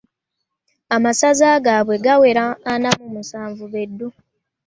Amasaza gaabwe gawera ana mu musanvu be ddu!